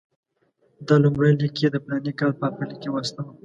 دا لومړی لیک یې د فلاني کال په اپرېل کې واستاوه.